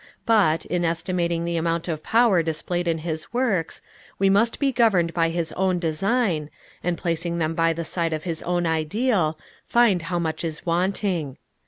But, in estimating the amount of power displayed in his works, we must be governed by his own design, and placing them by the side of his own ideal, find how much is wanting.